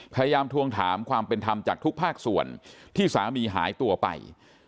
ทวงถามความเป็นธรรมจากทุกภาคส่วนที่สามีหายตัวไป